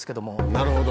なるほど。